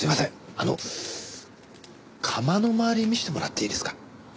あの窯の周り見せてもらっていいですか？